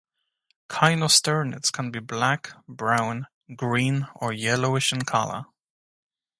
Kinosternids can be black, brown, green, or yellowish in color.